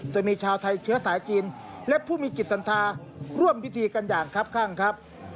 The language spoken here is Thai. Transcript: โดยมีชาวไทยเชื้อสายจีนและผู้มีจิตสันธาร่วมพิธีกันอย่างครับข้างครับ